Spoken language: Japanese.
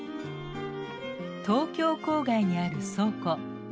東京郊外にある倉庫。